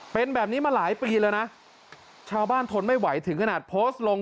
เป็นแบบนี้มาหลายปีแล้วนะชาวบ้านทนไม่ไหวถึงขนาดโพสต์ลง